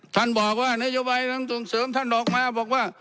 ท่านบอกว่านโยบายนั้นส่งเสริมท่านออกมาบอกว่า